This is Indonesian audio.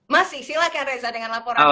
masih silahkan reza dengan laporan anda